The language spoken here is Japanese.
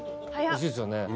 おいしいですよね。